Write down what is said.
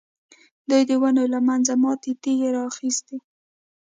دوی د ونو له منځه ماتې تېږې را اخیستې.